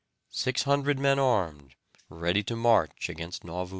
Six hundred men armed, ready to march against Nauvoo.